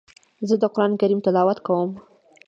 زه د قرآن کريم تلاوت کوم.